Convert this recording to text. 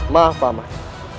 maaf pak man